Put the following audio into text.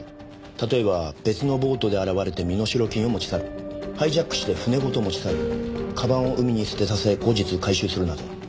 例えば別のボートで現れて身代金を持ち去るハイジャックして船ごと持ち去るかばんを海に捨てさせ後日回収するなど。